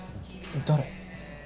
誰？